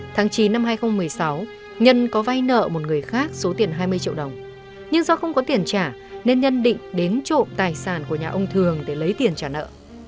tháng chín năm hai nghìn một mươi sáu nhân có vay nợ một người khác số tiền hai mươi triệu đồng nhưng do không có tiền trả nên nhân định đến trộm tài sản của nhà ông thường để lấy tiền trả nợ